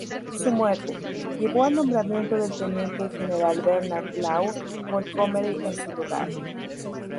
Su muerte, llevó al nombramiento del teniente general Bernard Law Montgomery en su lugar.